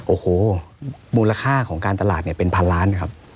โอ้โหมูลค่าของการตลาดเนี่ยเป็นพันล้านนะครับ